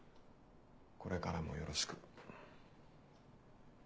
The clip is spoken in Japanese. これからもよろしく。